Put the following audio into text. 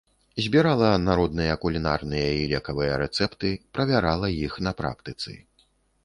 Збірала народныя кулінарныя і лекавыя рэцэпты, правярала іх на практыцы.